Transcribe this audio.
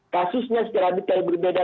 kasusnya secara detail berbeda